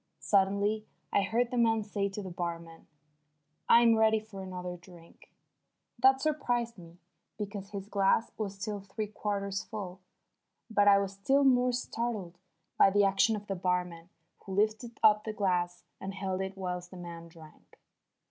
Suddenly I heard the man say to the barman: "I'm ready for another drink." That surprised me, because his glass was still three quarters full. But I was still more startled by the action of the barman who lifted up the glass and held it whilst the man drank.